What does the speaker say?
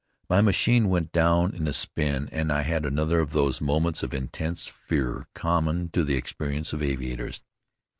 My machine went down in a spin and I had another of those moments of intense fear common to the experience of aviators.